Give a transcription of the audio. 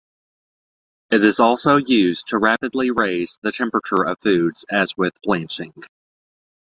It is also used to rapidly raise the temperature of foods, as with blanching.